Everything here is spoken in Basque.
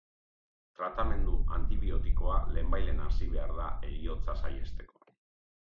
Tratamendu antibiotikoa lehenbailehen hasi behar da heriotza saihesteko.